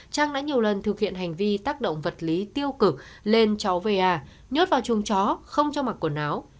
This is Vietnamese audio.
trang đã nhiều lần thực hiện hành vi tác động vật lý tiêu cực lên cháu va nhốt vào chuồng chó không cho mặc quần áo